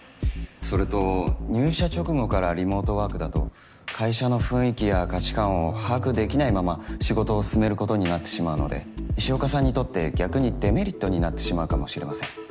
それと入社直後からリモートワークだと会社の雰囲気や価値観を把握できないまま仕事を進めることになってしまうので石岡さんにとって逆にデメリットになってしまうかもしれません。